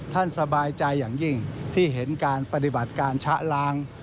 สบายใจอย่างยิ่งที่เห็นการปฏิบัติการชะล้าง